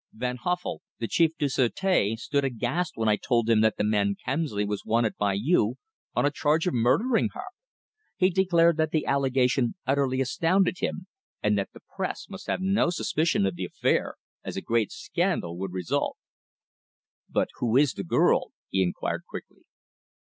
"Van Huffel, the Chef du Sureté, stood aghast when I told him that the man Kemsley was wanted by you on a charge of murdering her. He declared that the allegation utterly astounded him, and that the press must have no suspicion of the affair, as a great scandal would result." "But who is the girl?" he inquired quickly.